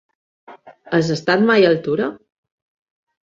Has estat mai a Altura?